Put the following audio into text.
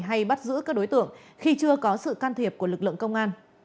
hay bắt giữ các đối tượng khi chưa có sự can thiệp của lực lượng công an